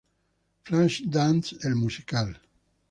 Flashdance el musical